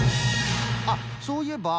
あっそういえば。